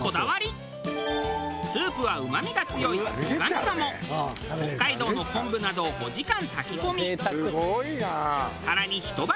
スープはうまみが強い最上鴨北海道の昆布などを５時間炊き込み更にひと晩